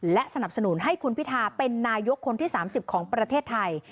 และสนับสนุนให้คุณพิทาเป็นนายกคนที่๓๐ของประเทศไทย